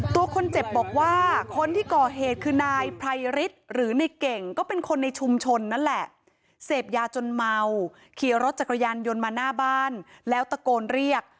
ตัวคนเจ็บบอกว่าคนที่ก่อเหตุคือนายไพรฤทธิ์หรือในเก่งก็เป็นคนในชุมชนนั่นแหละเสพยาจนเมาขี่รถจักรยานยนต์มาหน้าบ้านแล้วตะโกนเรียก